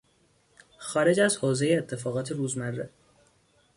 خارج از حوزهی اتفاقات روزمره